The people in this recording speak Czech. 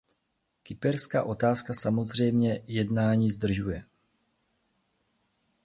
Kyperská otázka samozřejmě jednání zdržuje.